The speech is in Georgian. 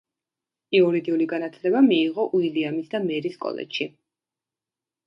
იურიდიული განათლება მიიღო უილიამის და მერის კოლეჯში.